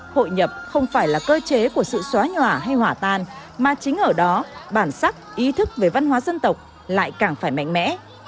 hội nhập không phải là cơ chế của sự xóa nhỏ hay hỏa tan mà chính ở đó bản sắc ý thức về văn hóa dân tộc lại càng phải mạnh mẽ